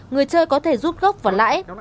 người chơi có thể rút gốc vào lãi